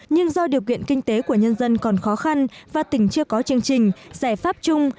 nhưng do điều kiện kinh tế của nhân dân còn khó khăn và tỉnh chưa có chương trình giải pháp chung